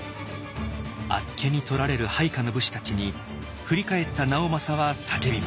あっけにとられる配下の武士たちに振り返った直政は叫びます。